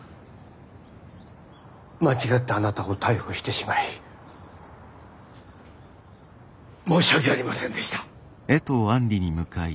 間違ってあなたを逮捕してしまい申し訳ありませんでした。